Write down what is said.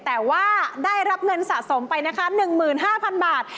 แต่ว่าได้รับเงินสะสมไปนะคะ๑๕๐๐๐บาท